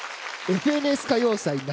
「ＦＮＳ歌謡祭夏」